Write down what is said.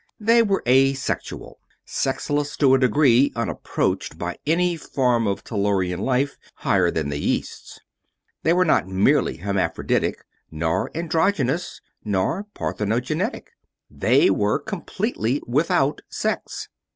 They were asexual: sexless to a degree unapproached by any form of Tellurian life higher than the yeasts. They were not merely hermaphroditic, nor androgynous, nor parthenogenetic. They were completely without sex.